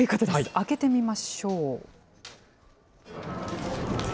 開けてみましょう。